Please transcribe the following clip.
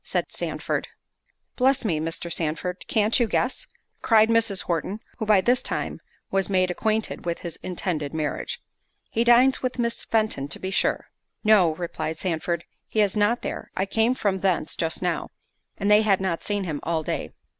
said Sandford. "Bless me, Mr. Sandford, can't you guess?" (cried Mrs. Horton, who by this time was made acquainted with his intended marriage) "He dines with Miss Fenton to be sure." "No," replied Sandford, "he is not there; I came from thence just now, and they had not seen him all day."